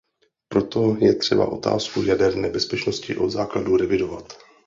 Proto je třeba otázku jaderné bezpečnosti od základu revidovat.